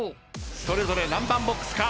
それぞれ何番ボックスか。